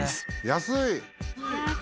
安い。